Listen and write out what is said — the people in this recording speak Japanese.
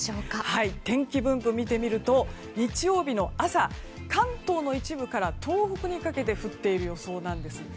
天気分布を見てみると日曜日の朝関東の一部から東北にかけて降っている予想です。